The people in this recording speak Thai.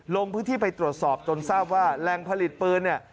ลงพื้นที่ไปตรวจสอบจนทราบว่าแรงผลิตปืนเนี่ย